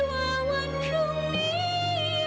ว่าวันคลุมนี้ยังมีหวัง